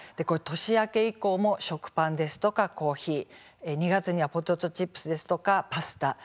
年明け以降も食パンですとかコーヒー２月にポテトチップスやパスタ